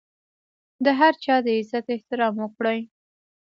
د هر چا د عزت احترام وکړئ.